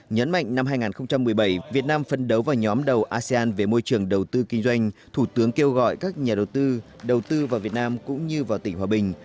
nhấn mạnh năm hai nghìn một mươi bảy việt nam phân đấu vào nhóm đầu asean về môi trường đầu tư kinh doanh thủ tướng kêu gọi các nhà đầu tư đầu tư vào việt nam cũng như vào tỉnh hòa bình